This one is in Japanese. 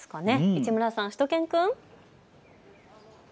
市村さん、しゅと犬くん。